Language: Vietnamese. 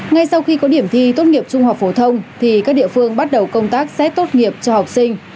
ngay sau khi có điểm thi tốt nghiệp trung học phổ thông thì các địa phương bắt đầu công tác xét tốt nghiệp cho học sinh